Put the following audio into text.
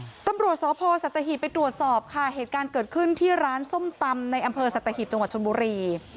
ตำรวจสพสัตหีบไปตรวจสอบค่ะเหตุการณ์เกิดขึ้นที่ร้านส้มตำในอำเภอสัตหีบจังหวัดชนบุรี